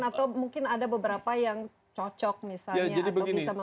atau mungkin ada beberapa yang cocok misalnya atau bisa memberikan dampak yang baik